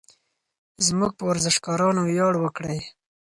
زموږ په ورزشکارانو ویاړ وکړئ.